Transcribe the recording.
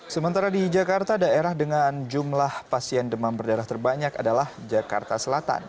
sementara di jakarta daerah dengan jumlah pasien demam berdarah terbanyak adalah jakarta selatan